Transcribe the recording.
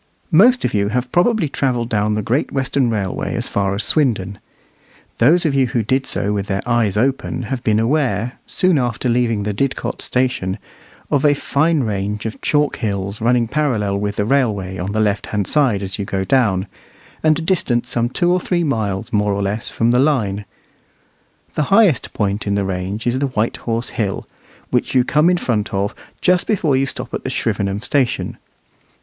Most of you have probably travelled down the Great Western Railway as far as Swindon. Those of you who did so with their eyes open have been aware, soon after leaving the Didcot station, of a fine range of chalk hills running parallel with the railway on the left hand side as you go down, and distant some two or three miles, more or less, from the line. The highest point in the range is the White Horse Hill, which you come in front of just before you stop at the Shrivenham station.